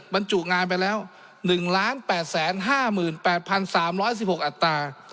บรรจุงานไปแล้ว๑๘๕๘๓๑๖อัตรา